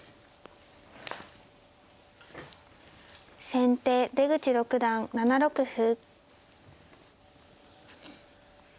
先手出口六段７六歩。